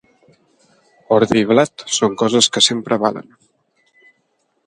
Ordi i blat són coses que sempre valen.